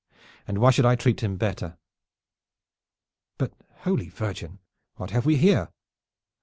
And why should I treat him better? But, Holy Virgin, what have we here?"